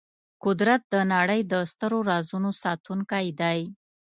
قدرت د نړۍ د سترو رازونو ساتونکی دی.